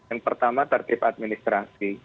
yang pertama tertib administrasi